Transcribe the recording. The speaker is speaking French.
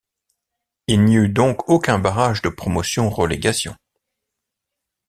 Il n'y eut donc aucun barrage de promotion-relégation.